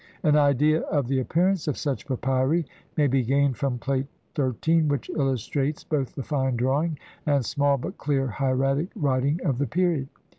An idea of the appearance of such papyri may be gained from Plate XIII, which illustrates both the fine drawing and small but clear hieratic writing of the period.